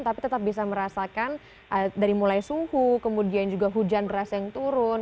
tapi tetap bisa merasakan dari mulai suhu kemudian juga hujan deras yang turun